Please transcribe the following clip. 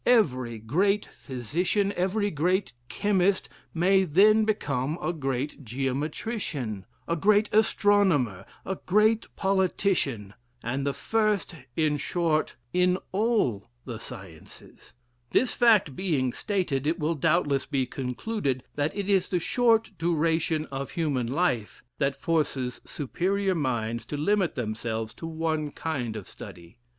Every great physician, every great chemist, may then become a great geometrician, a great astronomer, a great politician, and the first, in short, in all the sciences This fact being stated, it will doubtless be concluded, that it is the short duration of human life that forces superior minds to limit themselves to one kind of study.